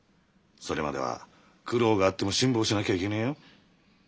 それまでは苦労があっても辛抱しなきゃいけねえよ。